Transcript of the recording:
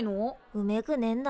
うめくねんだ。